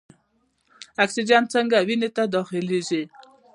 اکسیجن څنګه وینې ته داخلیږي؟